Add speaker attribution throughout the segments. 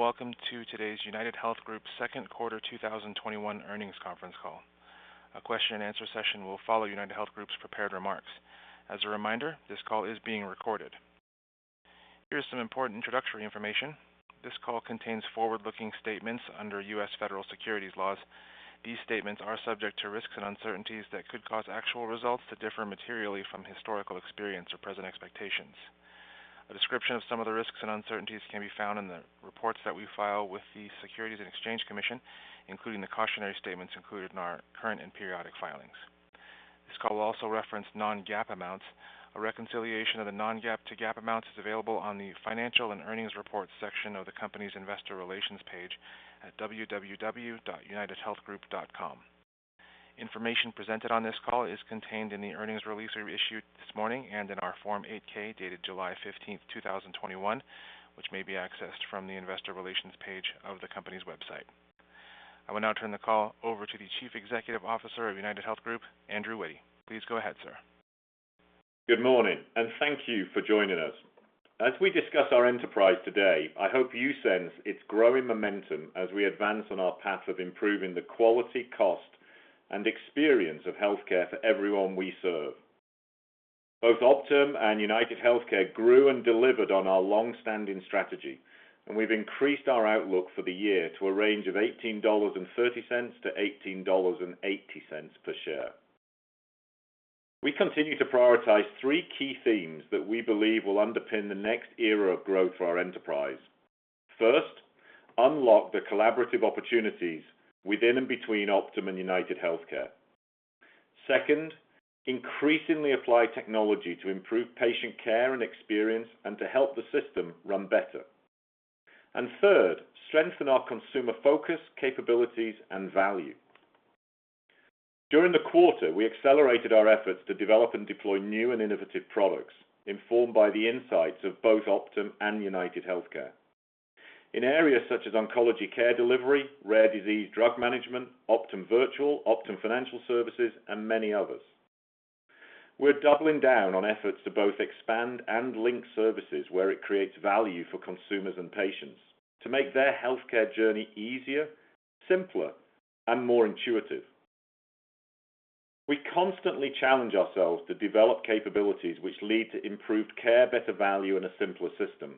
Speaker 1: Welcome to today's UnitedHealth Group second quarter 2021 earnings conference call. A question and answer session will follow UnitedHealth Group's prepared remarks. As a reminder, this call is being recorded. Here's some important introductory information. This call contains forward-looking statements under U.S. federal securities laws. These statements are subject to risks and uncertainties that could cause actual results to differ materially from historical experience or present expectations. A description of some of the risks and uncertainties can be found in the reports that we file with the Securities and Exchange Commission, including the cautionary statements included in our current and periodic filings. This call will also reference non-GAAP amounts. A reconciliation of the non-GAAP to GAAP amounts is available on the financial and earnings reports section of the company's investor relations page at www.unitedhealthgroup.com. Information presented on this call is contained in the earnings release we issued this morning and in our Form 8-K, dated July 15th, 2021, which may be accessed from the investor relations page of the company's website. I will now turn the call over to the Chief Executive Officer of UnitedHealth Group, Andrew Witty. Please go ahead, sir.
Speaker 2: Good morning, and thank you for joining us. As we discuss our enterprise today, I hope you sense its growing momentum as we advance on our path of improving the quality, cost, and experience of healthcare for everyone we serve. Both Optum and UnitedHealthcare grew and delivered on our longstanding strategy. We've increased our outlook for the year to a range of $18.30-$18.80 per share. We continue to prioritize three key themes that we believe will underpin the next era of growth for our enterprise. First, unlock the collaborative opportunities within and between Optum and UnitedHealthcare. Second, increasingly apply technology to improve patient care and experience and to help the system run better. Third, strengthen our consumer focus, capabilities, and value. During the quarter, we accelerated our efforts to develop and deploy new and innovative products, informed by the insights of both Optum and UnitedHealthcare. In areas such as oncology care delivery, rare disease drug management, Optum Virtual Care, Optum Financial, and many others. We're doubling down on efforts to both expand and link services where it creates value for consumers and patients to make their healthcare journey easier, simpler, and more intuitive. We constantly challenge ourselves to develop capabilities which lead to improved care, better value, and a simpler system.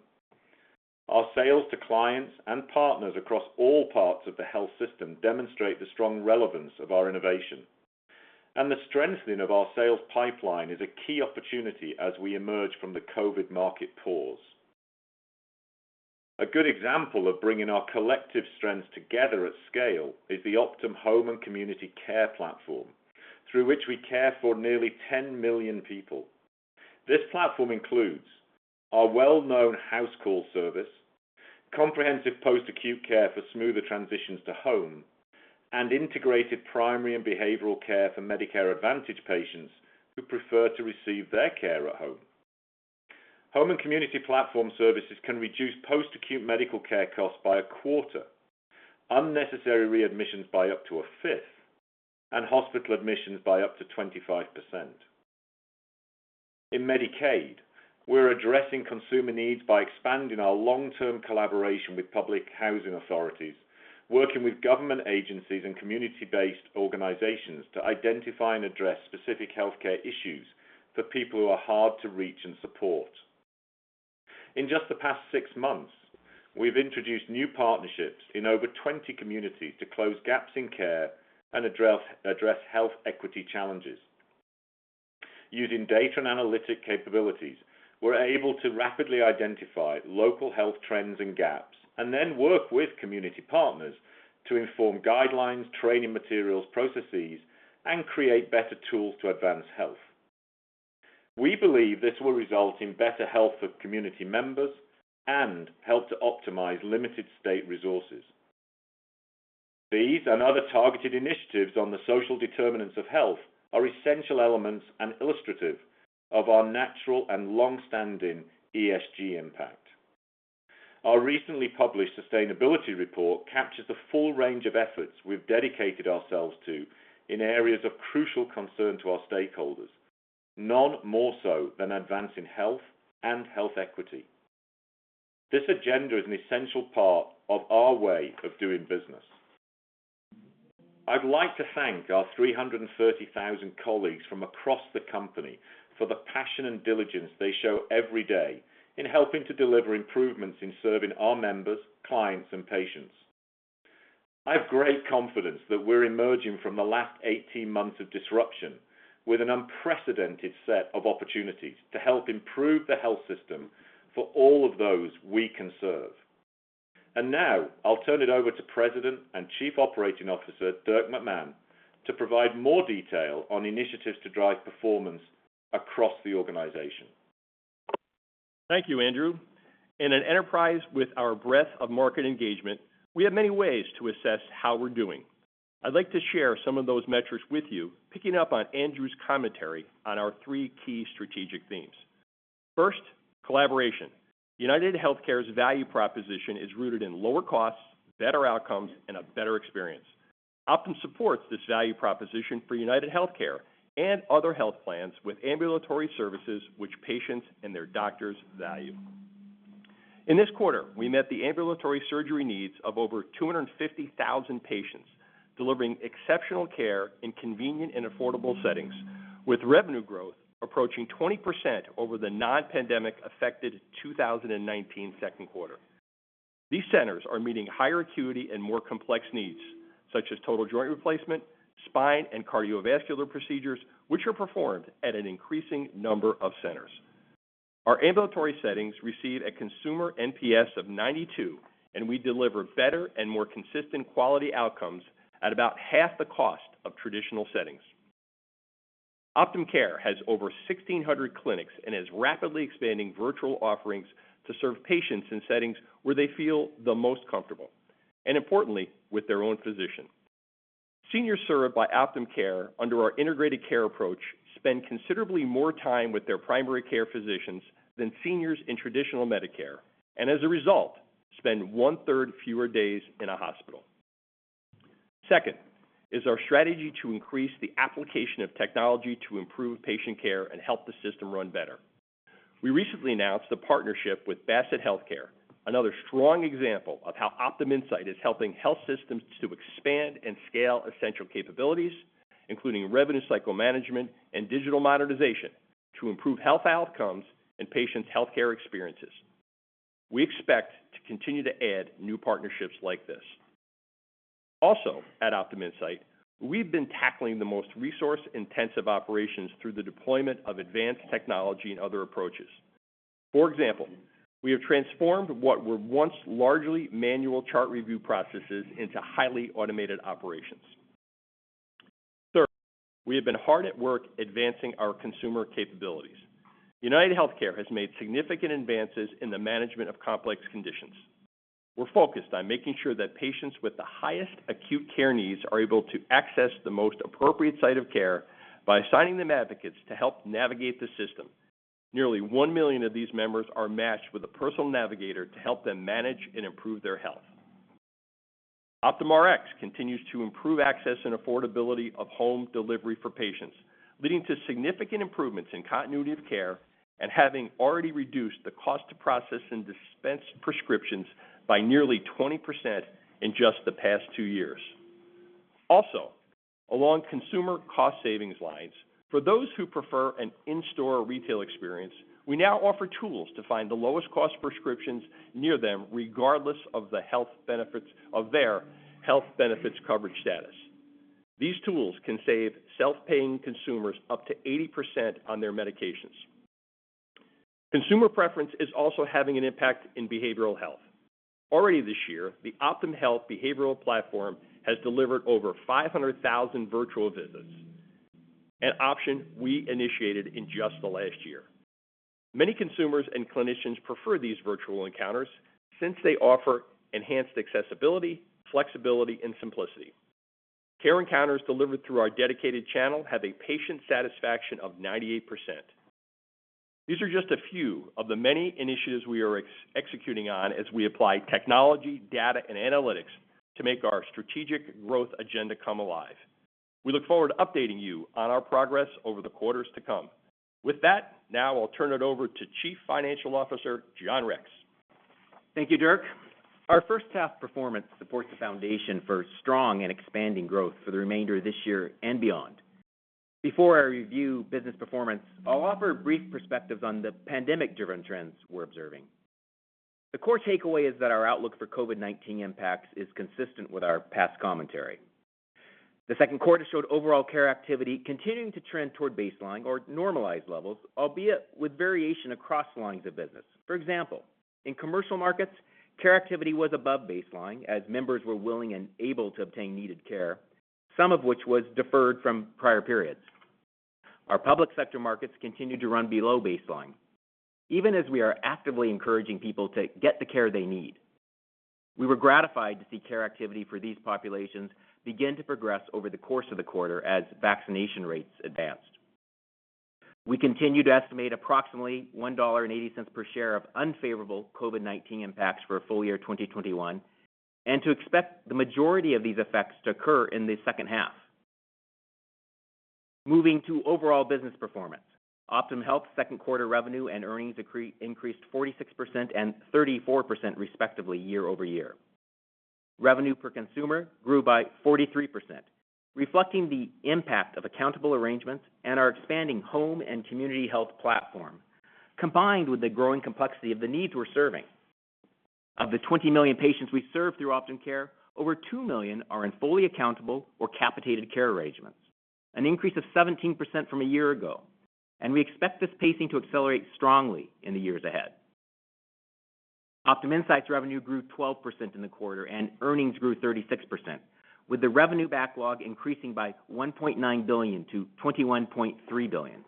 Speaker 2: Our sales to clients and partners across all parts of the health system demonstrate the strong relevance of our innovation, and the strengthening of our sales pipeline is a key opportunity as we emerge from the COVID-19 market pause. A good example of bringing our collective strengths together at scale is the Optum Home and Community Care platform, through which we care for nearly 10 million people. This platform includes our well-known HouseCall service, comprehensive post-acute care for smoother transitions to home, and integrated primary and behavioral care for Medicare Advantage patients who prefer to receive their care at home. Home and Community platform services can reduce post-acute medical care costs by a quarter, unnecessary readmissions by up to a fifth, and hospital admissions by up to 25%. In Medicaid, we're addressing consumer needs by expanding our long-term collaboration with public housing authorities, working with government agencies and community-based organizations to identify and address specific healthcare issues for people who are hard to reach and support. In just the past six months, we've introduced new partnerships in over 20 communities to close gaps in care and address health equity challenges. Using data and analytic capabilities, we're able to rapidly identify local health trends and gaps and then work with community partners to inform guidelines, training materials, processes, and create better tools to advance health. We believe this will result in better health for community members and help to optimize limited state resources. These and other targeted initiatives on the social determinants of health are essential elements and illustrative of our natural and longstanding ESG impact. Our recently published sustainability report captures the full range of efforts we've dedicated ourselves to in areas of crucial concern to our stakeholders, none more so than advancing health and health equity. This agenda is an essential part of our way of doing business. I'd like to thank our 330,000 colleagues from across the company for the passion and diligence they show every day in helping to deliver improvements in serving our members, clients, and patients. I have great confidence that we're emerging from the last 18 months of disruption with an unprecedented set of opportunities to help improve the health system for all of those we can serve. Now I'll turn it over to President and Chief Operating Officer, Dirk McMahon, to provide more detail on initiatives to drive performance across the organization.
Speaker 3: Thank you, Andrew. In an enterprise with our breadth of market engagement, we have many ways to assess how we're doing. I'd like to share some of those metrics with you, picking up on Andrew's commentary on our three key strategic themes. First, collaboration. UnitedHealthcare's value proposition is rooted in lower costs, better outcomes, and a better experience. Optum supports this value proposition for UnitedHealthcare and other health plans with ambulatory services which patients and their doctors value. In this quarter, we met the ambulatory surgery needs of over 250,000 patients, delivering exceptional care in convenient and affordable settings, with revenue growth approaching 20% over the non-pandemic affected 2019 second quarter. These centers are meeting higher acuity and more complex needs, such as total joint replacement, spine and cardiovascular procedures, which are performed at an increasing number of centers. Our ambulatory settings receive a consumer NPS of 92, and we deliver better and more consistent quality outcomes at about half the cost of traditional settings. OptumCare has over 1,600 clinics and is rapidly expanding virtual offerings to serve patients in settings where they feel the most comfortable, and importantly, with their own physician. Seniors served by OptumCare under our integrated care approach spend considerably more time with their primary care physicians than seniors in traditional Medicare, and as a result, spend 1/3 fewer days in a hospital. Second is our strategy to increase the application of technology to improve patient care and help the system run better. We recently announced a partnership with Bassett Healthcare, another strong example of how Optum Insight is helping health systems to expand and scale essential capabilities, including revenue cycle management and digital modernization to improve health outcomes and patients' healthcare experiences. We expect to continue to add new partnerships like this. Also at Optum Insight, we've been tackling the most resource-intensive operations through the deployment of advanced technology and other approaches. For example, we have transformed what were once largely manual chart review processes into highly automated operations. Third, we have been hard at work advancing our consumer capabilities. UnitedHealthcare has made significant advances in the management of complex conditions. We're focused on making sure that patients with the highest acute care needs are able to access the most appropriate site of care by assigning them advocates to help navigate the system. Nearly 1 million of these members are matched with a personal navigator to help them manage and improve their health. Optum Rx continues to improve access and affordability of home delivery for patients, leading to significant improvements in continuity of care and having already reduced the cost to process and dispense prescriptions by nearly 20% in just the past two years. Also, along consumer cost savings lines, for those who prefer an in-store retail experience, we now offer tools to find the lowest cost prescriptions near them regardless of their health benefits coverage status. These tools can save self-paying consumers up to 80% on their medications. Consumer preference is also having an impact in behavioral health. Already this year, the OptumHealth behavioral platform has delivered over 500,000 virtual visits, an option we initiated in just the last year. Many consumers and clinicians prefer these virtual encounters since they offer enhanced accessibility, flexibility, and simplicity. Care encounters delivered through our dedicated channel have a patient satisfaction of 98%. These are just a few of the many initiatives we are executing on as we apply technology, data, and analytics to make our strategic growth agenda come alive. We look forward to updating you on our progress over the quarters to come. With that, now I'll turn it over to Chief Financial Officer, John Rex.
Speaker 4: Thank you, Dirk. Our first half performance supports the foundation for strong and expanding growth for the remainder of this year and beyond. Before I review business performance, I'll offer brief perspectives on the pandemic-driven trends we're observing. The core takeaway is that our outlook for COVID-19 impacts is consistent with our past commentary. The second quarter showed overall care activity continuing to trend toward baseline or normalized levels, albeit with variation across lines of business. For example, in commercial markets, care activity was above baseline as members were willing and able to obtain needed care, some of which was deferred from prior periods. Our public sector markets continued to run below baseline, even as we are actively encouraging people to get the care they need. We were gratified to see care activity for these populations begin to progress over the course of the quarter as vaccination rates advanced. We continue to estimate approximately $1.80 per share of unfavorable COVID-19 impacts for full year 2021, and to expect the majority of these effects to occur in the second half. Moving to overall business performance. OptumHealth's second quarter revenue and earnings increased 46% and 34% respectively year-over-year. Revenue per consumer grew by 43%, reflecting the impact of accountable arrangements and our expanding home and community health platform, combined with the growing complexity of the needs we're serving. Of the 20 million patients we serve through OptumCare, over 2 million are in fully accountable or capitated care arrangements, an increase of 17% from a year ago. We expect this pacing to accelerate strongly in the years ahead. Optum Insight's revenue grew 12% in the quarter, and earnings grew 36%, with the revenue backlog increasing by $1.9 billion-$21.3 billion.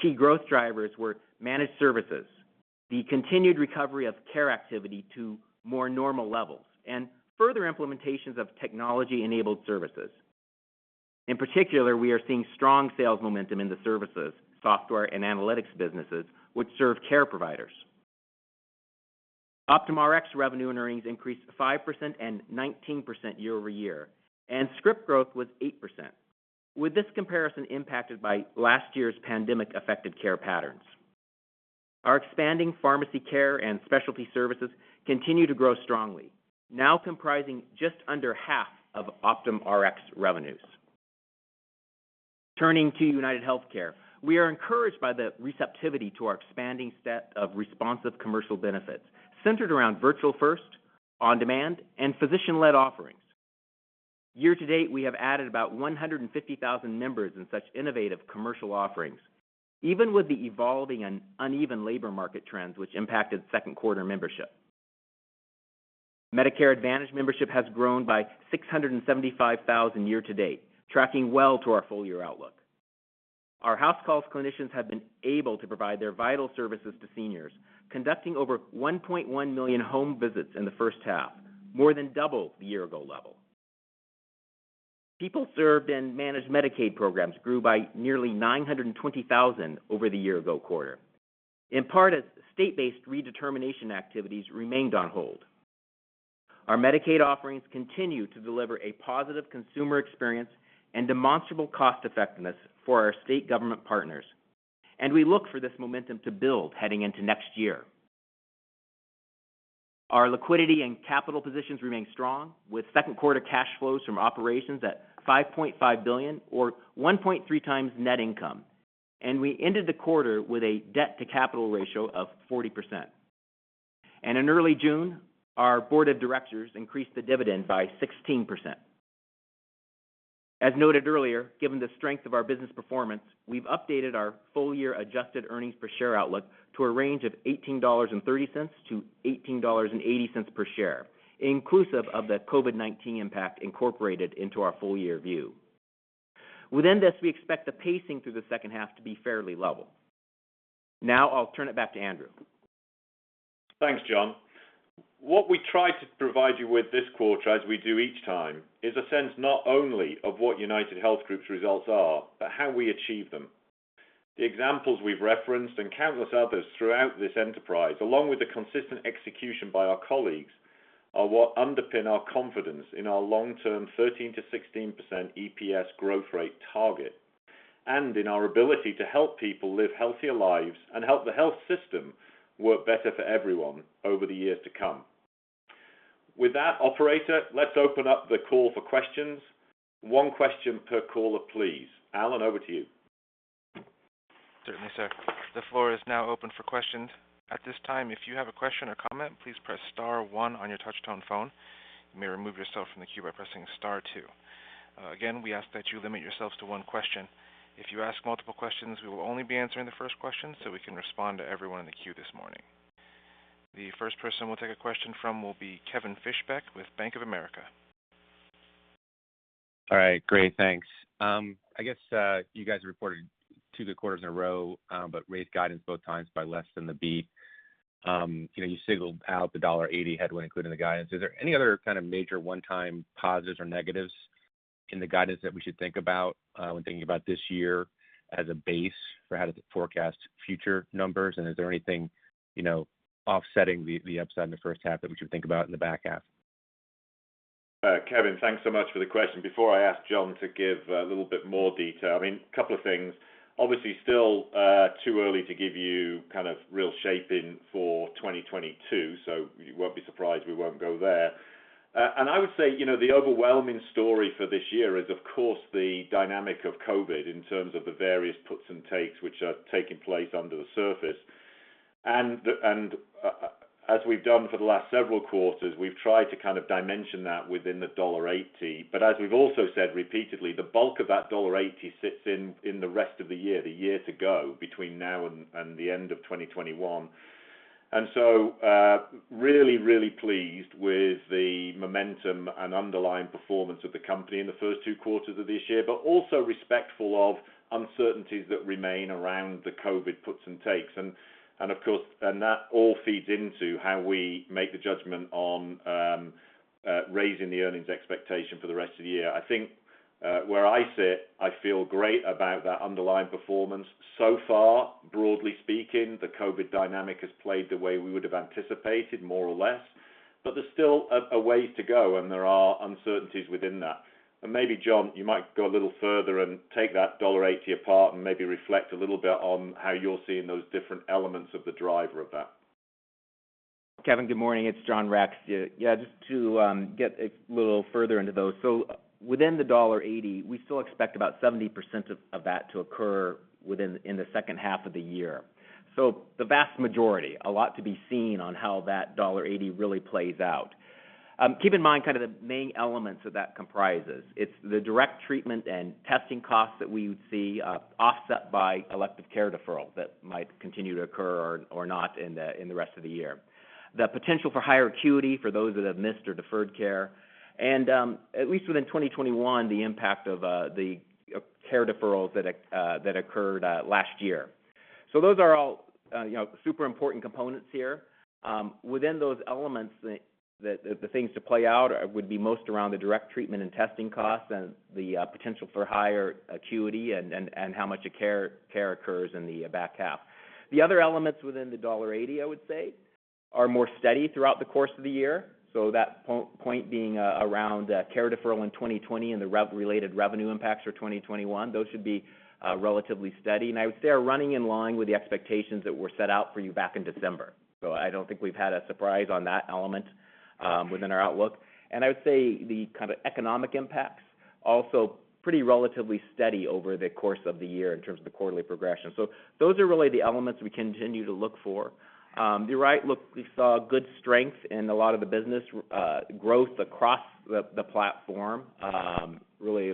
Speaker 4: Key growth drivers were managed services, the continued recovery of care activity to more normal levels, and further implementations of technology-enabled services. In particular, we are seeing strong sales momentum in the services, software, and analytics businesses, which serve care providers. Optum Rx revenue and earnings increased 5% and 19% year-over-year, and script growth was 8%, with this comparison impacted by last year's pandemic affected care patterns. Our expanding pharmacy care and specialty services continue to grow strongly, now comprising just under half of Optum Rx revenues. Turning to UnitedHealthcare, we are encouraged by the receptivity to our expanding set of responsive commercial benefits centered around virtual first, on-demand, and physician-led offerings. Year-to-date, we have added about 150,000 members in such innovative commercial offerings, even with the evolving and uneven labor market trends which impacted second quarter membership. Medicare Advantage membership has grown by 675,000 year-to-date, tracking well to our full year outlook. Our HouseCalls clinicians have been able to provide their vital services to seniors, conducting over 1.1 million home visits in the first half, more than double the year-ago level. People served in Managed Medicaid programs grew by nearly 920,000 over the year-ago quarter. In part, as state-based redetermination activities remained on hold. Our Medicaid offerings continue to deliver a positive consumer experience and demonstrable cost-effectiveness for our state government partners, and we look for this momentum to build heading into next year. Our liquidity and capital positions remain strong, with second quarter cash flows from operations at $5.5 billion, or 1.3x net income. We ended the quarter with a debt to capital ratio of 40%. In early June, our board of directors increased the dividend by 16%. As noted earlier, given the strength of our business performance, we've updated our full year adjusted earnings per share outlook to a range of $18.30-$18.80 per share, inclusive of the COVID-19 impact incorporated into our full year view. Within this, we expect the pacing through the second half to be fairly level. Now I'll turn it back to Andrew.
Speaker 2: Thanks, John. What we try to provide you with this quarter, as we do each time, is a sense not only of what UnitedHealth Group's results are, but how we achieve them. The examples we've referenced, and countless others throughout this enterprise, along with the consistent execution by our colleagues, are what underpin our confidence in our long-term 13%-16% EPS growth rate target, and in our ability to help people live healthier lives and help the health system work better for everyone over the years to come. With that, operator, let's open up the call for questions. One question per caller, please. Alan, over to you.
Speaker 1: Certainly, sir. The floor is now open for questions. At this time, if you have a question or comment, please press star one on your touch-tone phone. You may remove yourself from the queue by pressing star two. Again, we ask that you limit yourselves to one question. If you ask multiple questions, we will only be answering the first question so we can respond to everyone in the queue this morning. The first person we'll take a question from will be Kevin Fischbeck with Bank of America.
Speaker 5: All right, great, thanks. I guess you guys reported two quarters in a row, raised guidance both times by less than the beat. You singled out the $1.80 headwind including the guidance. Are there any other kind of major one-time positives or negatives in the guidance that we should think about when thinking about this year as a base for how to forecast future numbers? Is there anything offsetting the upside in the first half that we should think about in the back half?
Speaker 2: Kevin, thanks so much for the question. Before I ask John to give a little bit more detail, a couple of things. Obviously, still too early to give you real shaping for 2022, so you won't be surprised we won't go there. I would say, the overwhelming story for this year is, of course, the dynamic of COVID in terms of the various puts and takes which are taking place under the surface. As we've done for the last several quarters, we've tried to kind of dimension that within the $1.80. As we've also said repeatedly, the bulk of that $1.80 sits in the rest of the year, the year to go between now and the end of 2021. Really, really pleased with the momentum and underlying performance of the company in the first two quarters of this year, but also respectful of uncertainties that remain around the COVID puts and takes. Of course, that all feeds into how we make a judgment on raising the earnings expectation for the rest of the year. I think where I sit, I feel great about that underlying performance. So far, broadly speaking, the COVID dynamic has played the way we would have anticipated, more or less, but there's still a way to go, and there are uncertainties within that. Maybe, John, you might go a little further and take that $1.80 apart and maybe reflect a little bit on how you're seeing those different elements of the driver of that.
Speaker 4: Kevin, good morning. It's John Rex. Yeah, just to get a little further into those. Within the $1.80, we still expect about 70% of that to occur within the second half of the year. The vast majority, a lot to be seen on how that $1.80 really plays out. Keep in mind, the main elements that comprises. It's the direct treatment and testing costs that we would see offset by elective care deferral that might continue to occur or not in the rest of the year. The potential for higher acuity for those that have missed or deferred care, and at least within 2021, the impact of the care deferrals that occurred last year. Those are all super important components here. Within those elements, the things to play out would be most around the direct treatment and testing costs and the potential for higher acuity and how much care occurs in the back half. The other elements within the $1.80, I would say. Are more steady throughout the course of the year. That point being around care deferral in 2020 and the related revenue impacts for 2021, those should be relatively steady. I would say are running in line with the expectations that were set out for you back in December. I don't think we've had a surprise on that element within our outlook. I would say the kind of economic impacts, also pretty relatively steady over the course of the year in terms of quarterly progression. Those are really the elements we continue to look for. You're right, look, we saw good strength in a lot of the business growth across the platform. Really,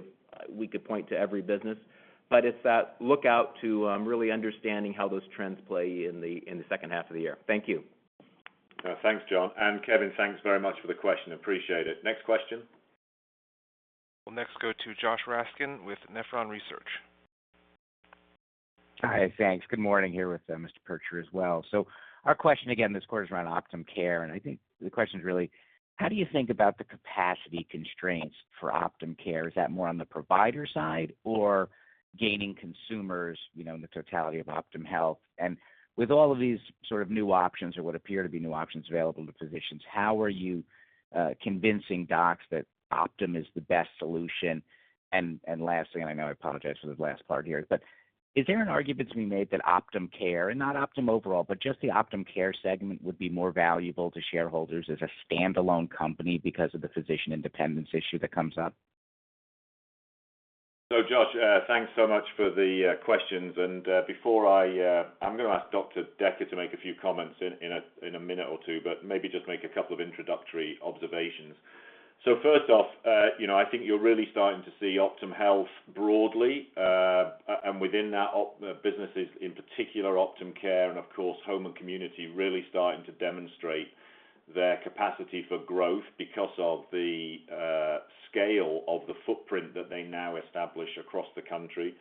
Speaker 4: we could point to every business. It's that look out to really understanding how those trends play in the second half of the year. Thank you.
Speaker 2: Thanks, John, and Kevin, thanks very much for the question. Appreciate it. Next question.
Speaker 1: We'll next go to Josh Raskin with Nephron Research.
Speaker 6: Hi, thanks. Good morning here with Mr. Percher as well. Our question again, of course, around OptumCare, and I think the question is really, how do you think about the capacity constraints for OptumCare? Is that more on the provider side or gaining consumers, the totality of OptumHealth? With all of these sort of new options or what appear to be new options available to physicians, how are you convincing docs that Optum is the best solution? Last thing, I know, I apologize for the last part here, but is there an argument to be made that OptumCare, not Optum overall, but just the OptumCare segment would be more valuable to shareholders as a standalone company because of the physician independence issue that comes up?
Speaker 2: Josh, thanks so much for the questions. Before I'm going to ask Dr. Decker to make a few comments in a minute or two, but maybe just make a couple of introductory observations. First off, I think you're really starting to see OptumHealth broadly, and within that, businesses in particular, OptumCare, and of course, Home and Community, really starting to demonstrate their capacity for growth because of the scale of the footprint that they now establish across the country.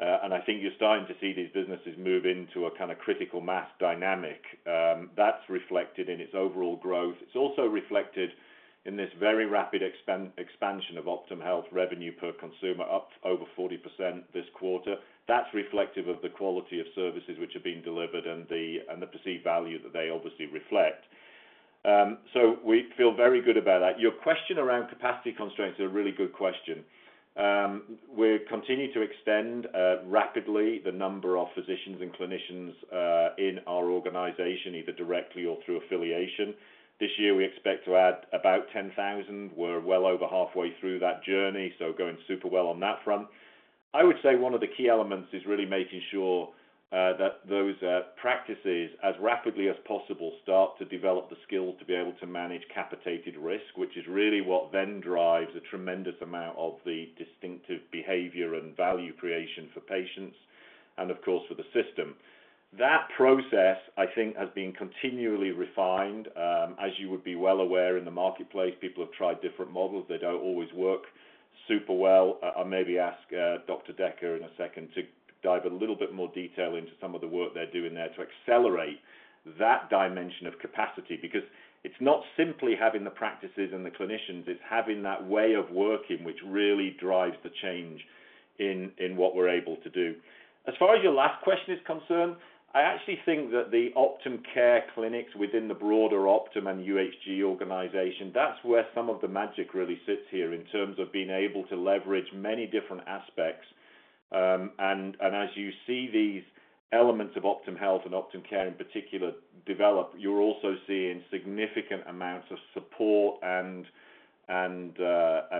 Speaker 2: I think you're starting to see these businesses move into a kind of critical mass dynamic. That's reflected in its overall growth. It's also reflected in this very rapid expansion of OptumHealth revenue per consumer, up over 40% this quarter. That's reflective of the quality of services which are being delivered and the perceived value that they obviously reflect. We feel very good about that. Your question around capacity constraints is a really good question. We continue to extend rapidly the number of physicians and clinicians in our organization, either directly or through affiliation. This year, we expect to add about 10,000. We're well over halfway through that journey, so going super well on that front. I would say one of the key elements is really making sure that those practices, as rapidly as possible, start to develop the skills to be able to manage capitated risk, which is really what then drives a tremendous amount of the distinctive behavior and value creation for patients and, of course, for the system. That process, I think, has been continually refined. As you would be well aware, in the marketplace, people have tried different models. They don't always work super well. I'll maybe ask Dr. Decker in a second to dive a little bit more detail into some of the work they're doing there to accelerate that dimension of capacity. It's not simply having the practices and the clinicians, it's having that way of working which really drives the change in what we're able to do. As far as your last question is concerned, I actually think that the OptumCare clinics within the broader Optum and UHG organization, that's where some of the magic really sits here in terms of being able to leverage many different aspects. As you see these elements of OptumHealth and OptumCare in particular develop, you're also seeing significant amounts of support and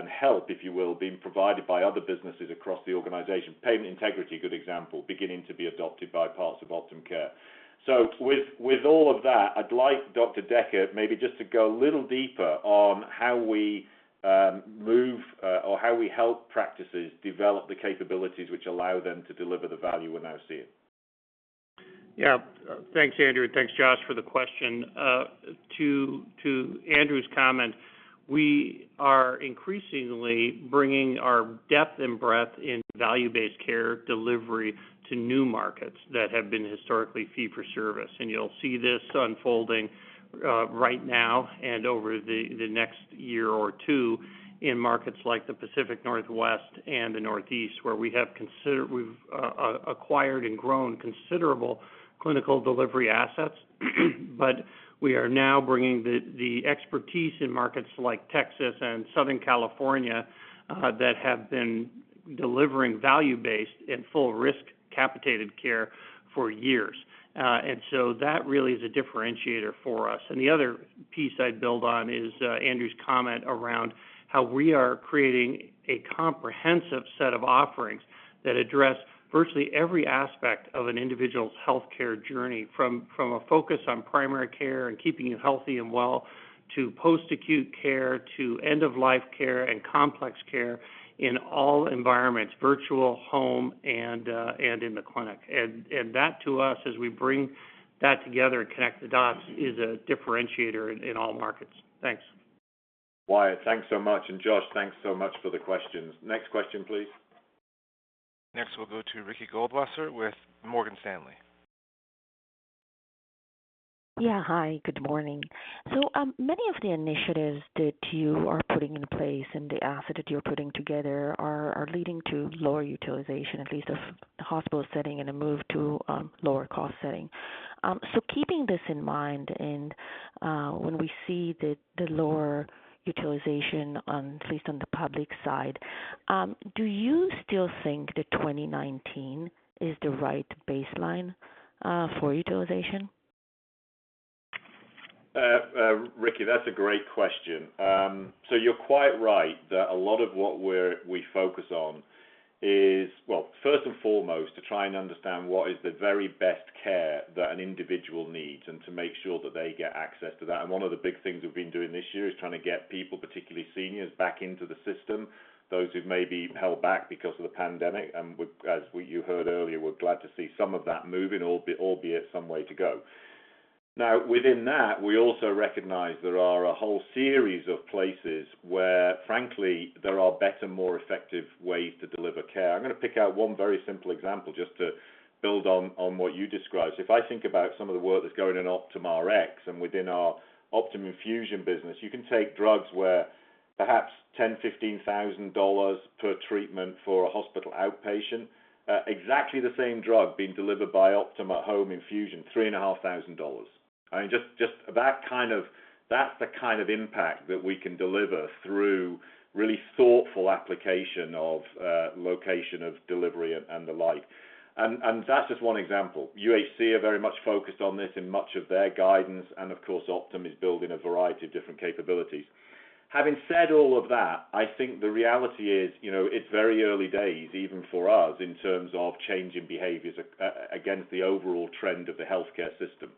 Speaker 2: help, if you will, being provided by other businesses across the organization. Payment Integrity, a good example, beginning to be adopted by parts of OptumCare. With all of that, I'd like Dr. Decker maybe just to go a little deeper on how we move or how we help practices develop the capabilities which allow them to deliver the value we're now seeing.
Speaker 7: Yeah. Thanks, Andrew. Thanks, Josh, for the question. To Andrew's comments, we are increasingly bringing our depth and breadth in value-based care delivery to new markets that have been historically fee for service. You'll see this unfolding right now and over the next year or two in markets like the Pacific Northwest and the Northeast, where we've acquired and grown considerable clinical delivery assets. We are now bringing the expertise in markets like Texas and Southern California, that have been delivering value-based and full risk capitated care for years. That really is a differentiator for us. The other piece I'd build on is Andrew's comment around how we are creating a comprehensive set of offerings that address virtually every aspect of an individual's healthcare journey, from a focus on primary care and keeping you healthy and well, to post-acute care, to end-of-life care and complex care in all environments, virtual, home, and in the clinic. That to us, as we bring that together and connect the dots, is a differentiator in all markets. Thanks.
Speaker 2: Wyatt, thanks so much. Josh, thanks so much for the questions. Next question, please.
Speaker 1: Next, we'll go to Ricky Goldwasser with Morgan Stanley.
Speaker 8: Yeah, hi. Good morning. Many of the initiatives that you are putting in place and the asset that you're putting together are leading to lower utilization, at least of hospital setting, and a move to lower cost setting. Keeping this in mind, and when we see the lower utilization at least on the public side, do you still think that 2019 is the right baseline for utilization?
Speaker 2: Ricky, that's a great question. You're quite right that a lot of what we focus on is, well, first and foremost, to try and understand what is the very best care that an individual needs and to make sure that they get access to that. One of the big things we've been doing this year is trying to get people, particularly seniors, back into the system, those who may be held back because of the pandemic. As you heard earlier, we're glad to see some of that moving, albeit some way to go. Within that, we also recognize there are a whole series of places where, frankly, there are better, more effective ways to deliver care. I'm going to pick out one very simple example just to build on what you described. If I think about some of the work that's going on in Optum Rx and within our Optum infusion business, you can take drugs where perhaps $10,000, $15,000 per treatment for a hospital outpatient, exactly the same drug being delivered by Optum at home infusion, $3,500. That's the kind of impact that we can deliver through really thoughtful application of location of delivery and the like. That's just one example. UHC are very much focused on this in much of their guidance, of course, Optum is building a variety of different capabilities. Having said all of that, I think the reality is, it's very early days, even for us, in terms of changing behaviors against the overall trend of the healthcare system.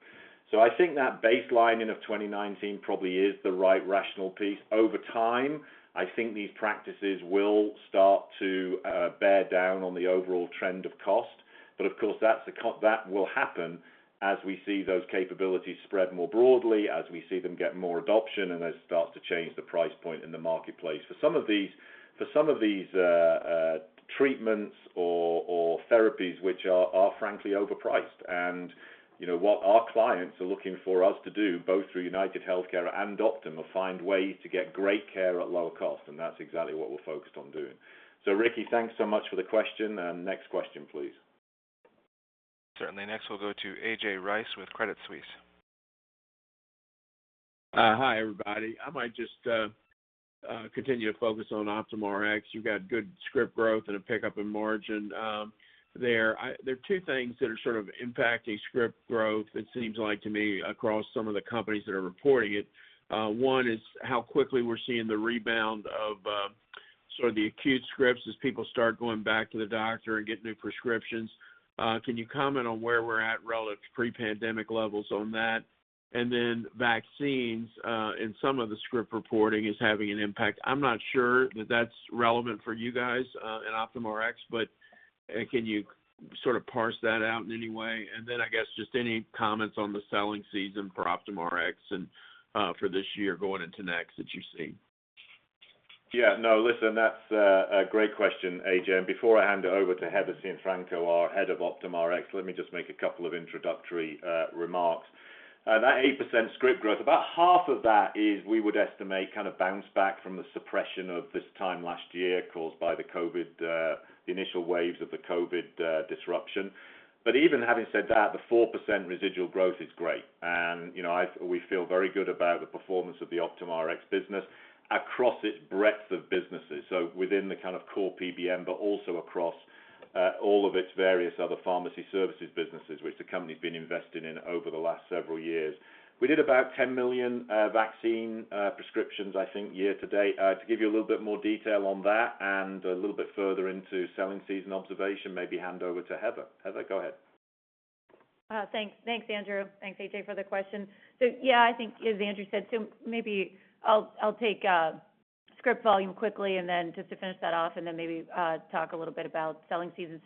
Speaker 2: I think that baselining of 2019 probably is the right rational piece. Over time, I think these practices will start to bear down on the overall trend of cost. Of course, that will happen as we see those capabilities spread more broadly, as we see them get more adoption, and they start to change the price point in the marketplace. For some of these treatments or therapies which are frankly overpriced and what our clients are looking for us to do, both for UnitedHealthcare and Optum, are find ways to get great care at low cost, and that's exactly what we're focused on doing. Ricky, thanks so much for the question, and next question, please.
Speaker 1: Certainly. Next, we'll go to A.J. Rice with Credit Suisse.
Speaker 9: Hi, everybody. I might just continue to focus on Optum Rx. You've got good script growth and a pickup in margin there. There are two things that are sort of impacting script growth, it seems like to me, across some of the companies that are reporting it. One is how quickly we're seeing the rebound of sort of the acute scripts as people start going back to the doctor and get new prescriptions. Can you comment on where we're at relative to pre-pandemic levels on that? Vaccines in some of the script reporting is having an impact. I'm not sure that that's relevant for you guys in Optum Rx, but can you sort of parse that out in any way? I guess just any comments on the selling season for Optum Rx and for this year going into next that you see.
Speaker 2: Yeah, no, listen, that's a great question, A.J. Before I hand over to Heather Cianfrocco, our head of Optum Rx, let me just make a couple of introductory remarks. That 8% script growth, about half of that is, we would estimate, kind of bounce back from the suppression of this time last year caused by the initial waves of the COVID-19 disruption. Even having said that, the 4% residual growth is great, and we feel very good about the performance of the Optum Rx business across its breadth of businesses, so within the kind of core PBM, but also across all of its various other pharmacy services businesses, which the company's been investing in over the last several years. We did about 10 million vaccine prescriptions, I think, year to date. To give you a little bit more detail on that and a little bit further into selling season observation, maybe hand over to Heather. Heather, go ahead.
Speaker 10: Thanks, Andrew. Thanks, A.J., for the question. Yeah, I think as Andrew said, so maybe I'll take script volume quickly and then just to finish that off and then maybe talk a little bit about selling season.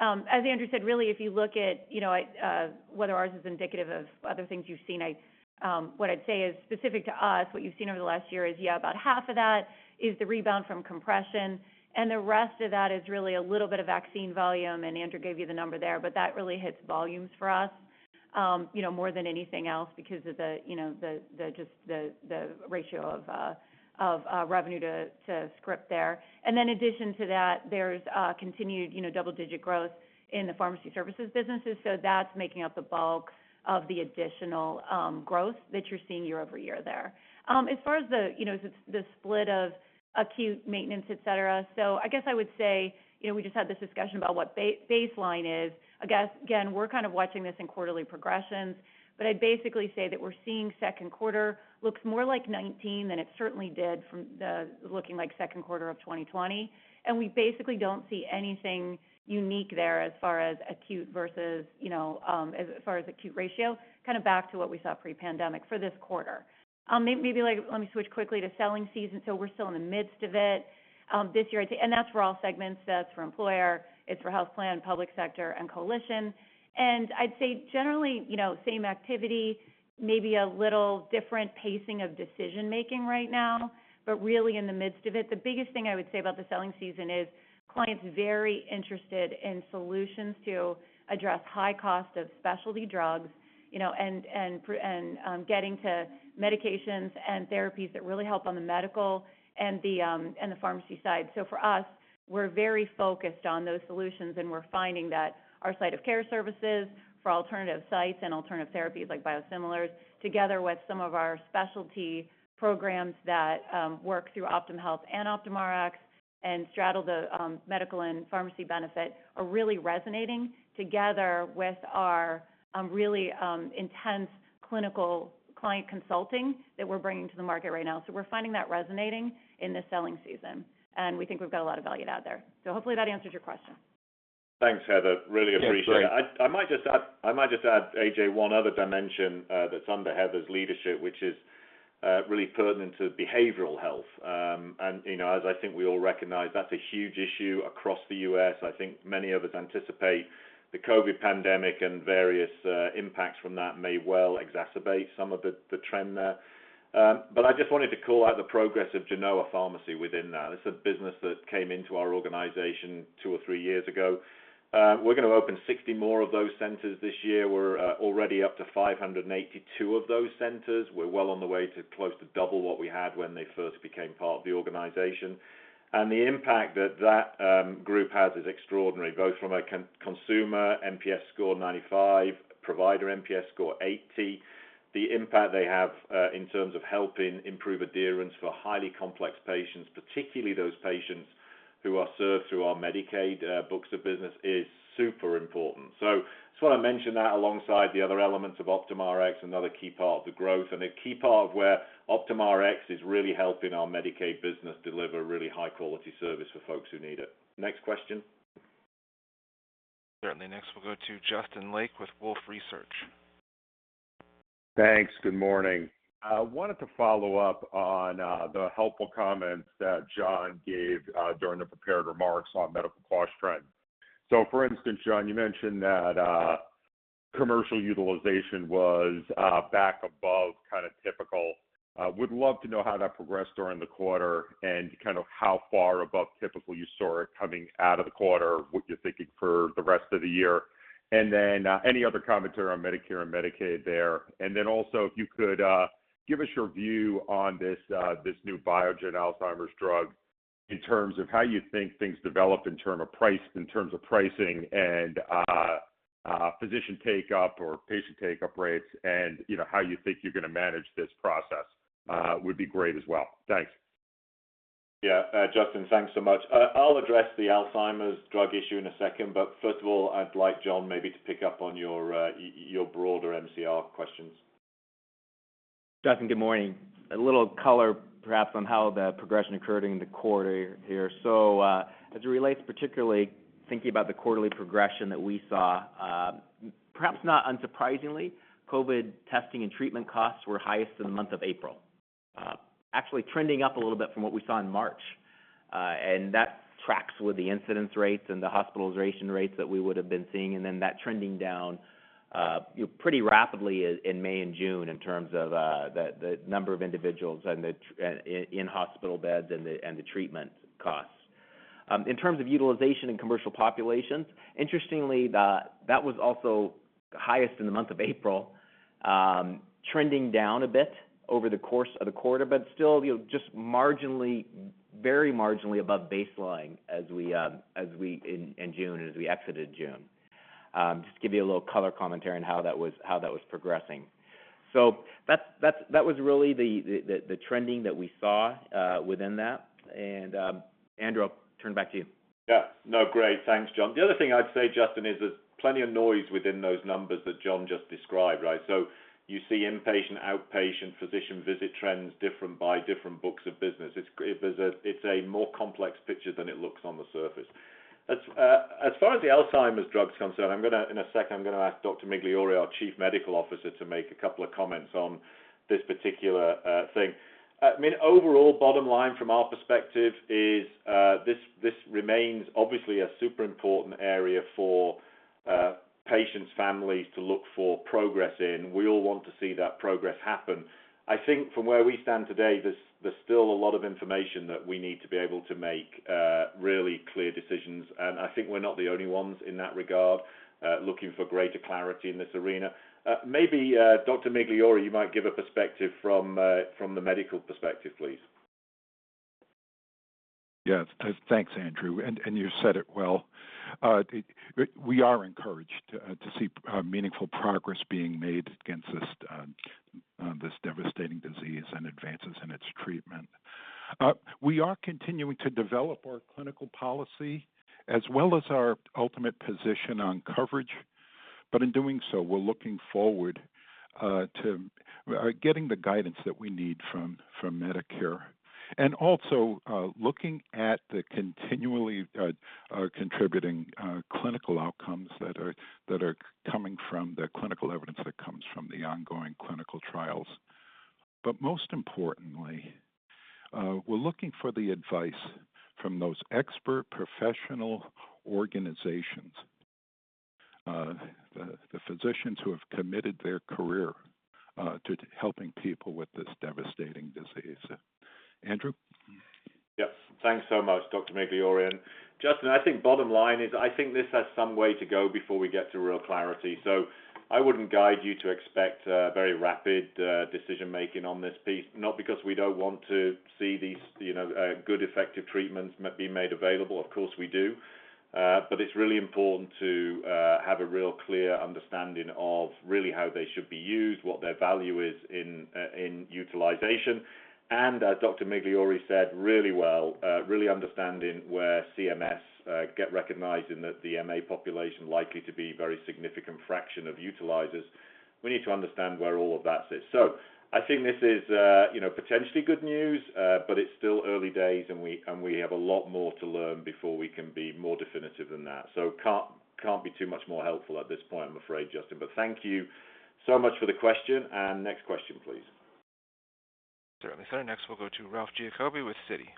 Speaker 10: As Andrew said, really, if you look at what ours is indicative of other things you've seen, what I'd say is specific to us, what you've seen over the last year is, yeah, about half of that is the rebound from compression, and the rest of that is really a little bit of vaccine volume, and Andrew gave you the number there. That really hits volumes for us more than anything else because of just the ratio of revenue to script there. In addition to that, there's continued double-digit growth in the pharmacy services businesses. That's making up the bulk of the additional growth that you're seeing year-over-year there. As far as the split of acute maintenance, et cetera. I guess I would say, we just had this discussion about what baseline is. I guess, again, we're kind of watching this in quarterly progressions, but I'd basically say that we're seeing second quarter looks more like 2019 than it certainly did from looking like second quarter of 2020. We basically don't see anything unique there as far as acute ratio, kind of back to what we saw pre-pandemic for this quarter. Maybe let me switch quickly to selling season. We're still in the midst of it this year, and that's for all segments. That's for employer, it's for health plan, public sector, and coalition. I'd say generally, same activity, maybe a little different pacing of decision making right now, but really in the midst of it. The biggest thing I would say about the selling season is clients very interested in solutions to address high cost of specialty drugs and getting to medications and therapies that really help on the medical and the pharmacy side. For us, we're very focused on those solutions, and we're finding that our site of care services for alternative sites and alternative therapies like biosimilars, together with some of our specialty programs that work through OptumHealth and Optum Rx and straddle the medical and pharmacy benefit, are really resonating together with our really intense clinical client consulting that we're bringing to the market right now. We're finding that resonating in this selling season, and we think we've got a lot of value to add there. Hopefully, that answers your question.
Speaker 2: Thanks, Heather. Really appreciate it.
Speaker 9: Yeah, great. I might just add, A.J., one other dimension that's under Heather's leadership, which is really pertinent to behavioral health. As I think we all recognize, that's a huge issue across the U.S. I think many of us anticipate the COVID pandemic and various impacts from that may well exacerbate some of the trend there. I just wanted to call out the progress of Genoa Healthcare within that. It's a business that came into our organization two or three years ago. We're going to open 60 more of those centers this year. We're already up to 582 of those centers. We're well on the way to close to double what we had when they first became part of the organization. The impact that group has is extraordinary, both from a consumer NPS score of 95, provider NPS score 80.
Speaker 2: The impact they have in terms of helping improve adherence for highly complex patients, particularly those patients who are served through our Medicaid books of business, is super important. Just want to mention that alongside the other elements of Optum Rx, another key part of the growth and a key part of where Optum Rx is really helping our Medicaid business deliver really high-quality service for folks who need it. Next question.
Speaker 1: Certainly. Next, we'll go to Justin Lake with Wolfe Research.
Speaker 11: Thanks. Good morning. I wanted to follow up on the helpful comments that John gave during the prepared remarks on medical cost trends. For instance, John, you mentioned that commercial utilization was back above kind of typical. Would love to know how that progressed during the quarter, and kind of how far above typical you saw it coming out of the quarter, what you're thinking for the rest of the year, and any other commentary on Medicare and Medicaid there. Also, if you could give us your view on this new Biogen Alzheimer's drug in terms of how you think things develop in terms of pricing, and physician take-up or patient take-up rates, and how you think you're going to manage this process would be great as well. Thanks.
Speaker 2: Yeah. Justin, thanks so much. I'll address the Alzheimer's drug issue in a second. First of all, I'd like John maybe to pick up on your broader MCR questions.
Speaker 4: Justin, good morning. A little color, perhaps, on how the progression occurred in the quarter here. As it relates particularly thinking about the quarterly progression that we saw, perhaps not unsurprisingly, COVID testing and treatment costs were highest in the month of April. Actually trending up a little bit from what we saw in March. That tracks with the incidence rates and the hospitalization rates that we would have been seeing, and then that trending down pretty rapidly in May and June in terms of the number of individuals in hospital beds and the treatment costs. In terms of utilization in commercial populations, interestingly, that was also highest in the month of April, trending down a bit over the course of the quarter, but still just very marginally above baseline in June, and as we exited June. Just to give you a little color commentary on how that was progressing. That was really the trending that we saw within that. Andrew, I'll turn it back to you.
Speaker 2: Yeah. No, great. Thanks, John. The other thing I'd say, Justin, is there's plenty of noise within those numbers that John just described, right? You see inpatient, outpatient physician visit trends different by different books of business. It's a more complex picture than it looks on the surface. As far as the Alzheimer's drug's concerned, in a second, I'm going to ask Dr. Migliori, our Chief Medical Officer, to make a couple of comments on this particular thing. Overall, bottom line from our perspective is, this remains obviously a super important area for patients, families to look for progress in. We all want to see that progress happen. I think from where we stand today, there's still a lot of information that we need to be able to make really clear decisions, and I think we're not the only ones in that regard, looking for greater clarity in this arena. Maybe, Dr. Migliori, you might give a perspective from the medical perspective, please.
Speaker 12: Yes. Thanks, Andrew. You said it well. We are encouraged to see meaningful progress being made against this devastating disease and advances in its treatment. We are continuing to develop our clinical policy as well as our ultimate position on coverage. In doing so, we're looking forward to getting the guidance that we need from Medicare, also looking at the continually contributing clinical outcomes that are coming from the clinical evidence that comes from the ongoing clinical trials. Most importantly, we're looking for the advice from those expert professional organizations, the physicians who have committed their career to helping people with this devastating disease. Andrew?
Speaker 2: Yes. Thanks so much, Dr. Migliori. Justin, I think bottom line is, I think this has some way to go before we get to real clarity, so I wouldn't guide you to expect very rapid decision-making on this piece. Not because we don't want to see these good effective treatments be made available, of course we do. It's really important to have a real clear understanding of really how they should be used, what their value is in utilization. As Dr. Migliori said really well, really understanding where CMS get recognized in that the MA population likely to be very significant fraction of utilizers. We need to understand where all of that sits. I think this is potentially good news, but it's still early days, and we have a lot more to learn before we can be more definitive than that. Can't be too much more helpful at this point, I'm afraid, Justin. Thank you so much for the question. Next question, please.
Speaker 1: Certainly, sir. Next, we'll go to Ralph Giacobbe with Citi.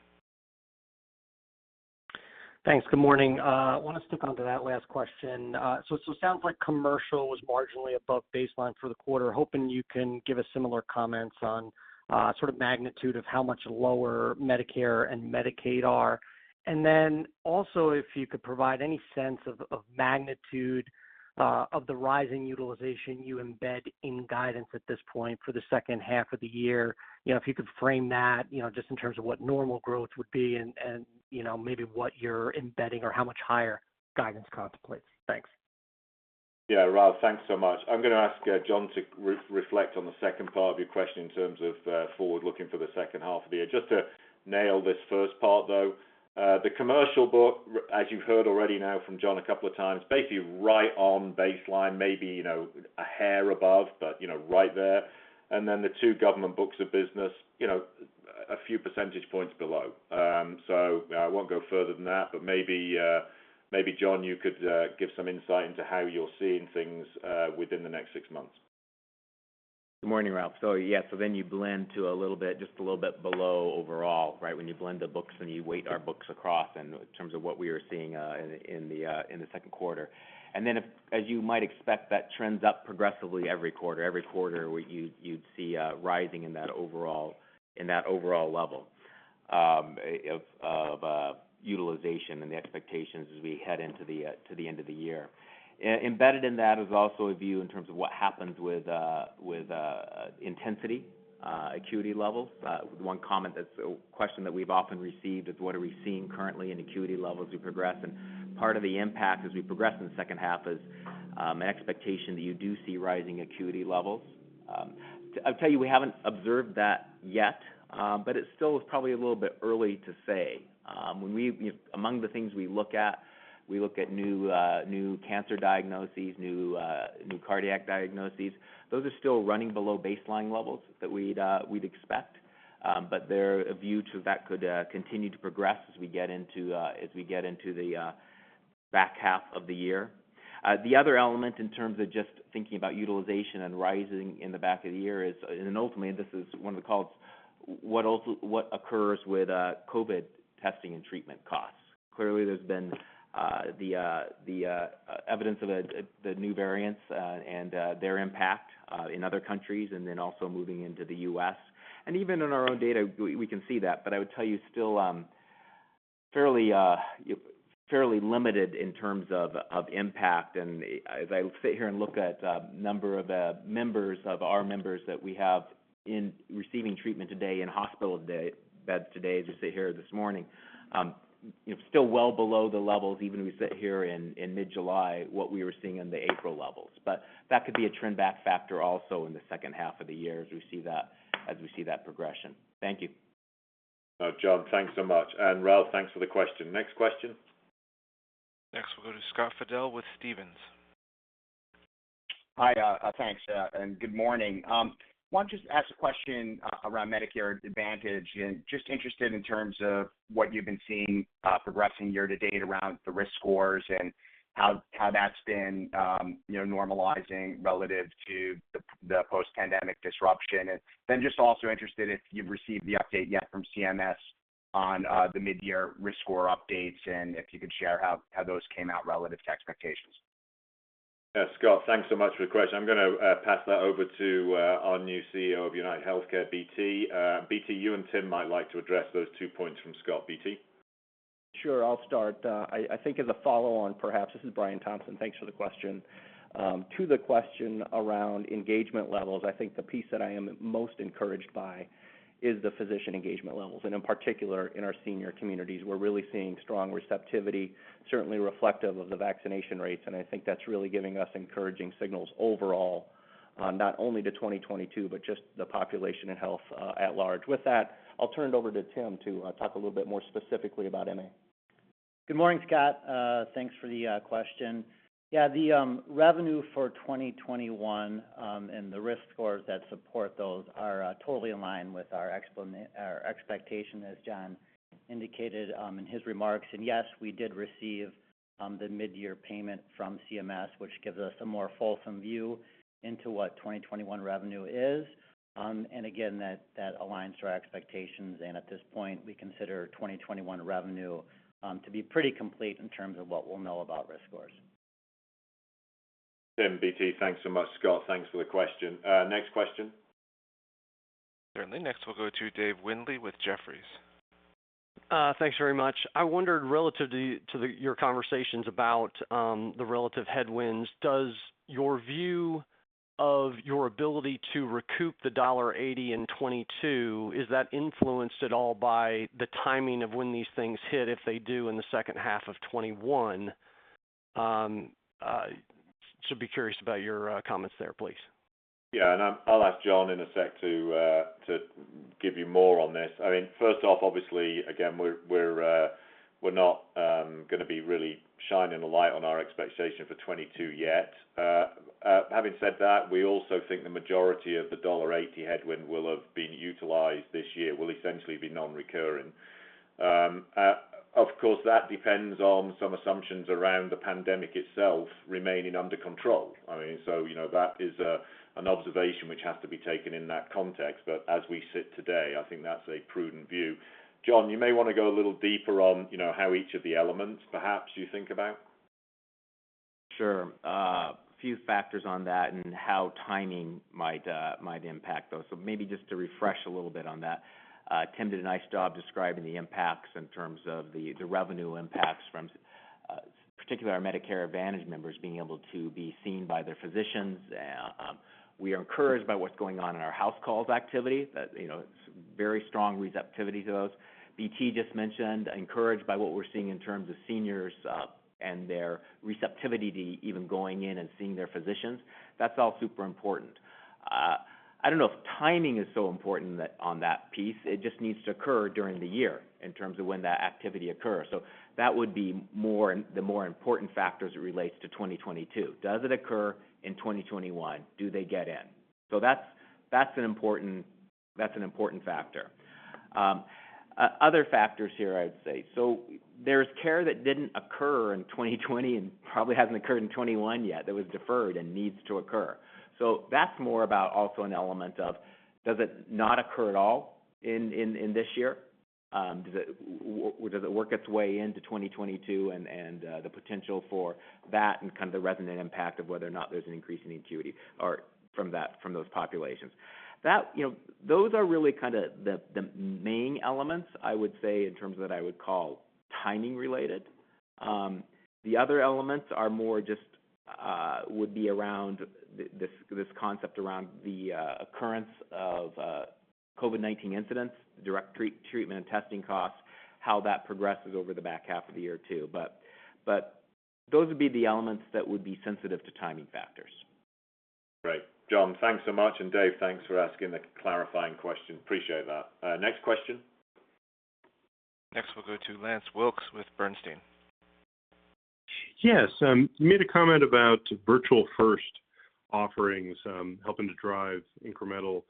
Speaker 13: Thanks. Good morning. I want to stick onto that last question. It sounds like commercial was marginally above baseline for the quarter. Hoping you can give us similar comments on sort of magnitude of how much lower Medicare and Medicaid are. Then also, if you could provide any sense of magnitude of the rising utilization you embed in guidance at this point for the second half of the year. If you could frame that, just in terms of what normal growth would be and maybe what you're embedding or how much higher guidance contemplates. Thanks.
Speaker 2: Yeah. Ralph, thanks so much. I'm going to ask John to reflect on the second part of your question in terms of forward-looking for the second half of the year. Just to nail this first part, though. The commercial book, as you've heard already now from John a couple of times, basically right on baseline, maybe a hair above, but right there. The two government books of business, a few percentage points below. I won't go further than that, but maybe John, you could give some insight into how you're seeing things within the next six months.
Speaker 4: Good morning, Ralph. Yeah. You blend to just a little bit below overall, right? When you blend the books, when you weight our books across in terms of what we are seeing in the second quarter. As you might expect, that trends up progressively every quarter. Every quarter, you'd see a rising in that overall level of utilization and the expectations as we head into the end of the year. Embedded in that is also a view in terms of what happens with intensity, acuity levels. One comment that's a question that we've often received is, what are we seeing currently in acuity levels as we progress? Part of the impact as we progress in the second half is an expectation that you do see rising acuity levels. I'll tell you, we haven't observed that yet, but it still is probably a little bit early to say. Among the things we look at, we look at new cancer diagnoses, new cardiac diagnoses. Those are still running below baseline levels that we'd expect. There, a view to that could continue to progress as we get into the back half of the year. The other element in terms of just thinking about utilization and rising in the back of the year is, and ultimately this is one of the calls, what occurs with COVID testing and treatment costs. Clearly, there's been the evidence of the new variants, their impact in other countries, then also moving into the U.S. Even in our own data, we can see that. I would tell you, still fairly limited in terms of impact. As I sit here and look at number of our members that we have in receiving treatment today in hospital beds today, as I sit here this morning. Still well below the levels, even we sit here in mid-July, what we were seeing in the April levels. That could be a trend back factor also in the second half of the year, as we see that progression. Thank you.
Speaker 2: John, thanks so much. Ralph, thanks for the question. Next question.
Speaker 1: We'll go to Scott Fidel with Stephens.
Speaker 14: Hi. Thanks, and good morning. I want to just ask a question around Medicare Advantage. Just interested in terms of what you've been seeing progressing year to date around the risk scores, and how that's been normalizing relative to the post-pandemic disruption. Just also interested if you've received the update yet from CMS on the mid-year risk score updates, and if you could share how those came out relative to expectations.
Speaker 2: Scott, thanks so much for the question. I'm going to pass that over to our new CEO of UnitedHealthcare, BT. BT, you and Tim might like to address those two points from Scott. BT?
Speaker 15: Sure. I'll start. I think as a follow-on, perhaps. This is Brian Thompson. Thanks for the question. To the question around engagement levels, I think the piece that I am most encouraged by is the physician engagement levels. In particular, in our senior communities, we're really seeing strong receptivity, certainly reflective of the vaccination rates. I think that's really giving us encouraging signals overall, not only to 2022, but just the population and health at large. With that, I'll turn it over to Tim to talk a little bit more specifically about MA.
Speaker 16: Good morning, Scott. Thanks for the question. The revenue for 2021, and the risk scores that support those are totally in line with our expectation, as John indicated in his remarks. Yes, we did receive the mid-year payment from CMS, which gives us a more fulsome view into what 2021 revenue is. Again, that aligns to our expectations, and at this point, we consider 2021 revenue to be pretty complete in terms of what we'll know about risk scores.
Speaker 2: Tim, BT, thanks so much. Scott, thanks for the question. Next question.
Speaker 1: Certainly. Next, we'll go to Dave Windley with Jefferies.
Speaker 17: Thanks very much. I wondered relative to your conversations about the relative headwinds, does your view of your ability to recoup the $1.80 in 2022, is that influenced at all by the timing of when these things hit, if they do in the second half of 2021? Just be curious about your comments there, please.
Speaker 2: Yeah, and I'll ask John in a sec to give you more on this. First off, obviously, again, we're not going to be really shining a light on our expectation for 2022 yet. Having said that, we also think the majority of the $1.80 headwind will have been utilized this year, will essentially be non-recurring. Of course, that depends on some assumptions around the pandemic itself remaining under control. That is an observation which has to be taken in that context. As we sit today, I think that's a prudent view. John, you may want to go a little deeper on how each of the elements, perhaps, you think about.
Speaker 4: Sure. A few factors on that and how timing might impact those. Maybe just to refresh a little bit on that. Tim did a nice job describing the impacts in terms of the revenue impacts from, particularly our Medicare Advantage members being able to be seen by their physicians. We are encouraged by what's going on in our HouseCalls activity. It's very strong receptivity to those. BT just mentioned, encouraged by what we're seeing in terms of seniors and their receptivity to even going in and seeing their physicians. That's all super important. I don't know if timing is so important on that piece. It just needs to occur during the year, in terms of when that activity occurs. That would be the more important factor as it relates to 2022. Does it occur in 2021? Do they get in? That's an important factor. Other factors here, I would say. There's care that didn't occur in 2020, and probably hasn't occurred in 2021 yet, that was deferred and needs to occur. That's more about also an element of, does it not occur at all in this year? Does it work its way into 2022? The potential for that and kind of the resonant impact of whether or not there's an increase in acuity from those populations. Those are really kind of the main elements, I would say, in terms that I would call timing related. The other elements are more just would be around this concept around the occurrence of COVID-19 incidents, direct treatment and testing costs, how that progresses over the back half of the year, too. Those would be the elements that would be sensitive to timing factors.
Speaker 2: Great. John, thanks so much. Dave, thanks for asking the clarifying question. Appreciate that. Next question.
Speaker 1: Next, we'll go to Lance Wilkes with Bernstein.
Speaker 18: Yes. You made a comment about virtual first offerings helping to drive incremental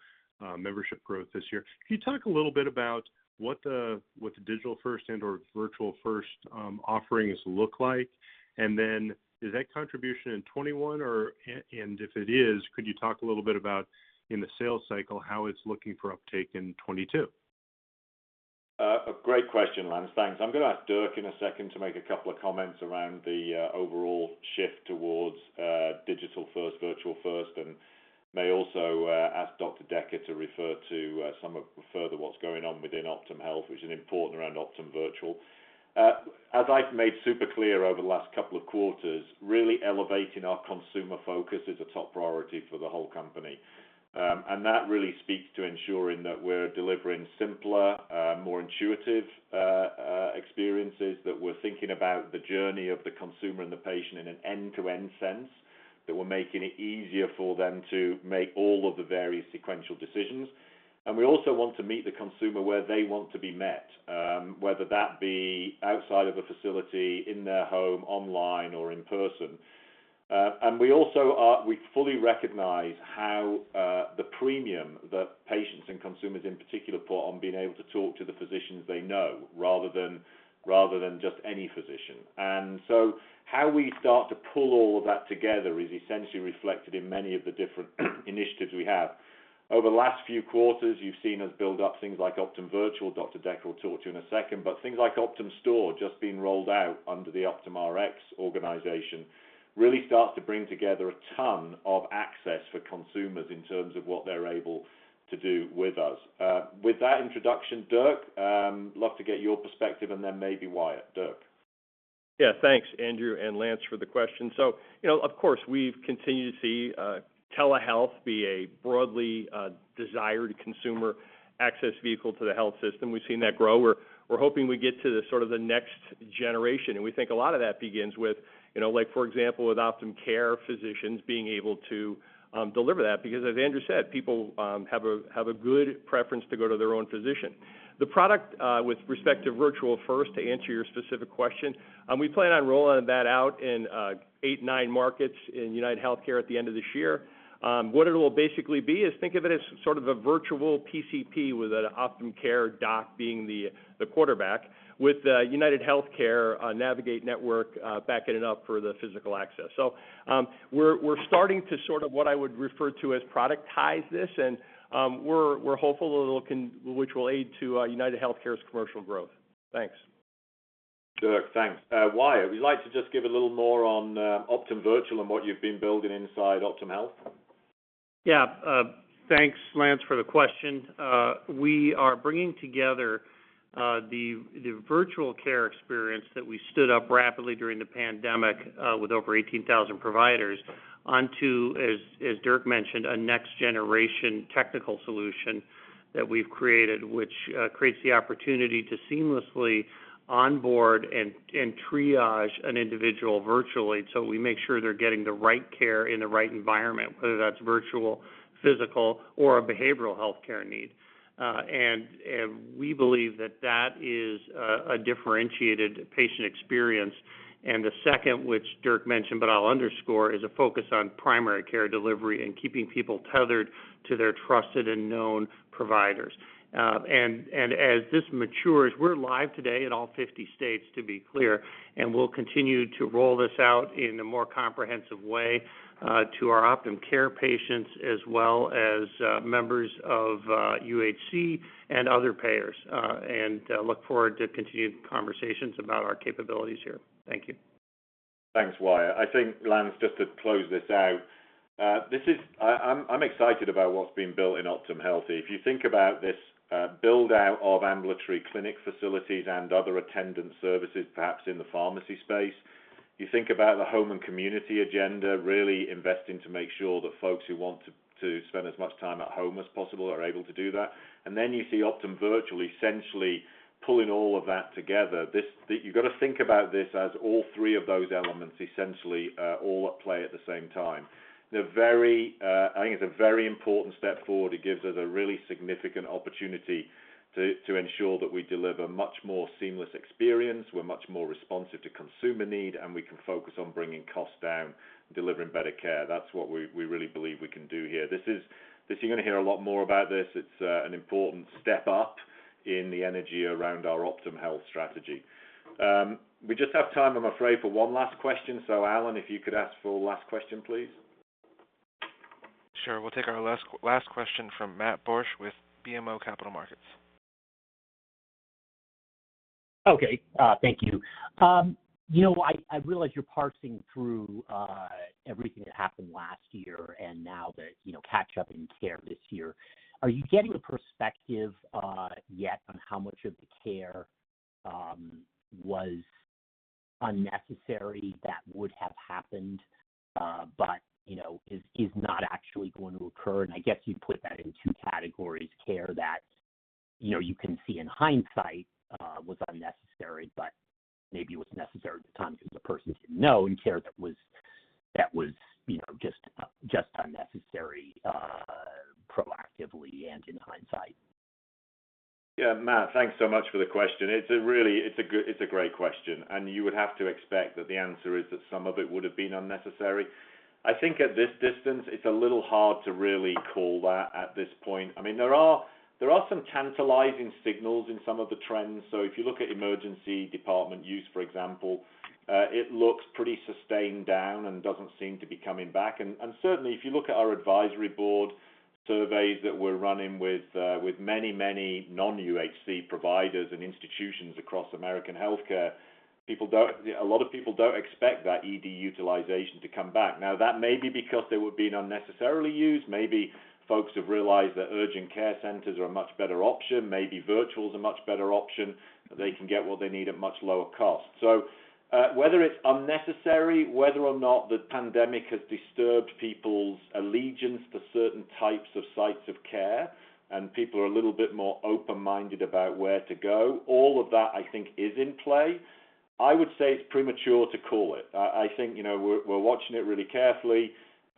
Speaker 18: membership growth this year. Can you talk a little bit about what the digital first and/or virtual first offerings look like? Is that contribution in 2021, and if it is, could you talk a little bit about, in the sales cycle, how it's looking for uptake in 2022?
Speaker 2: A great question, Lance. Thanks. I'm going to ask Dirk in a second to make a couple of comments around the overall shift towards digital first, virtual first, and may also ask Dr. Decker to refer to some of further what's going on within OptumHealth, which is important around Optum Virtual. As I've made super clear over the last couple of quarters, really elevating our consumer focus is a top priority for the whole company. That really speaks to ensuring that we're delivering simpler, more intuitive experiences, that we're thinking about the journey of the consumer and the patient in an end-to-end sense, that we're making it easier for them to make all of the various sequential decisions. We also want to meet the consumer where they want to be met, whether that be outside of a facility, in their home, online, or in person. We also fully recognize how the premium that patients and consumers in particular put on being able to talk to the physicians they know rather than just any physician. How we start to pull all of that together is essentially reflected in many of the different initiatives we have. Over the last few quarters, you've seen us build up things like Optum Virtual, Dr. Decker will talk to you in a second, but things like Optum Store just being rolled out under the Optum Rx organization, really starts to bring together a ton of access for consumers in terms of what they're able to do with us. With that introduction, Dirk, love to get your perspective and then maybe Wyatt. Dirk.
Speaker 3: Thanks, Andrew and Lance, for the question. Of course, we've continued to see telehealth be a broadly desired consumer access vehicle to the health system. We've seen that grow. We're hoping we get to the sort of the next generation, and we think a lot of that begins with, for example, with OptumCare physicians being able to deliver that, because as Andrew said, people have a good preference to go to their own physician. The product with respect to virtual first, to answer your specific question, we plan on rolling that out in eight, nine markets in UnitedHealthcare at the end of this year. What it will basically be is think of it as sort of a virtual PCP with an OptumCare doc being the quarterback with the UnitedHealthcare Navigate network backing it up for the physical access. We're starting to sort of what I would refer to as productize this, and we're hopeful which will aid to UnitedHealthcare's commercial growth. Thanks.
Speaker 2: Dirk, thanks. Wyatt, would you like to just give a little more on Optum Virtual and what you've been building inside OptumHealth?
Speaker 7: Thanks, Lance, for the question. We are bringing together the virtual care experience that we stood up rapidly during the pandemic with over 18,000 providers onto, as Dirk mentioned, a next-generation technical solution that we've created, which creates the opportunity to seamlessly onboard and triage an individual virtually. We make sure they're getting the right care in the right environment, whether that's virtual, physical, or a behavioral healthcare need. We believe that is a differentiated patient experience. The second, which Dirk mentioned, but I'll underscore, is a focus on primary care delivery and keeping people tethered to their trusted and known providers. As this matures, we're live today in all 50 states, to be clear, and we'll continue to roll this out in a more comprehensive way to our OptumCare patients as well as members of UHC and other payers. Look forward to continued conversations about our capabilities here. Thank you.
Speaker 2: Thanks, Wyatt. I think, Lance, just to close this out, I'm excited about what's being built in OptumHealth. If you think about this build-out of ambulatory clinic facilities and other attendant services, perhaps in the pharmacy space, you think about the home and community agenda, really investing to make sure that folks who want to spend as much time at home as possible are able to do that. Then you see Optum Virtually essentially pulling all of that together. You've got to think about this as all three of those elements essentially all at play at the same time. I think it's a very important step forward. It gives us a really significant opportunity to ensure that we deliver a much more seamless experience, we're much more responsive to consumer need, and we can focus on bringing costs down and delivering better care. That's what we really believe we can do here. You're going to hear a lot more about this. It's an important step up in the energy around our OptumHealth strategy. We just have time, I'm afraid, for one last question. Alan, if you could ask for the last question, please.
Speaker 1: Sure. We'll take our last question from Matt Borsch with BMO Capital Markets.
Speaker 19: Okay. Thank you. I realize you're parsing through everything that happened last year, and now the catch-up in care this year. Are you getting a perspective yet on how much of the care was unnecessary that would have happened, but is not actually going to occur? I guess you put that in two categories, care that you can see in hindsight was unnecessary, but maybe it was necessary at the time because the person didn't know, and care that was just unnecessary proactively and in hindsight.
Speaker 2: Matt, thanks so much for the question. It's a great question. You would have to expect that the answer is that some of it would have been unnecessary. I think at this distance, it's a little hard to really call that at this point. There are some tantalizing signals in some of the trends. If you look at emergency department use, for example, it looks pretty sustained down and doesn't seem to be coming back. Certainly, if you look at our Advisory Board surveys that we're running with many non-UHC providers and institutions across American healthcare, a lot of people don't expect that ED utilization to come back. That may be because they were being unnecessarily used. Maybe folks have realized that urgent care centers are a much better option. Maybe virtual is a much better option, and they can get what they need at much lower cost. Whether it's unnecessary, whether or not the pandemic has disturbed people's allegiance to certain types of sites of care, and people are a little bit more open-minded about where to go, all of that, I think, is in play. I would say it's premature to call it. I think we're watching it really carefully.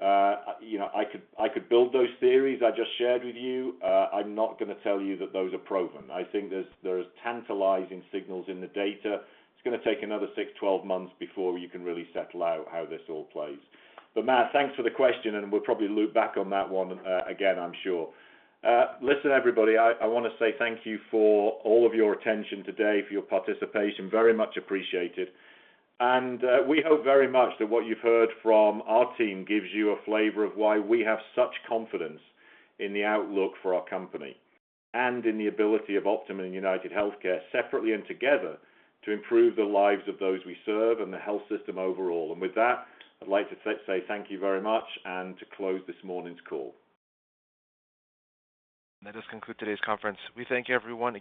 Speaker 2: I could build those theories I just shared with you. I'm not going to tell you that those are proven. I think there's tantalizing signals in the data. It's going to take another 6-12 months before you can really settle out how this all plays. Matt, thanks for the question, and we'll probably loop back on that one again, I'm sure. Listen, everybody, I want to say thank you for all of your attention today, for your participation. Very much appreciated. We hope very much that what you've heard from our team gives you a flavor of why we have such confidence in the outlook for our company and in the ability of Optum and UnitedHealthcare separately and together to improve the lives of those we serve and the health system overall. With that, I'd like to say thank you very much and to close this morning's call.
Speaker 1: That does conclude today's conference. We thank everyone.